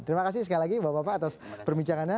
terima kasih sekali lagi bapak bapak atas perbincangannya